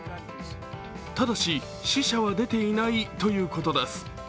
ただし、死者は出ていないということです。